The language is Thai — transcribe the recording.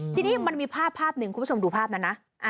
ทีนี้มันมีภาพหนึ่งคุณผู้ชมดูภาพนั้นนะ